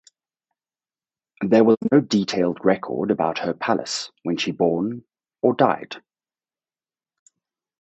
There was no detailed record about her palace when she born or died.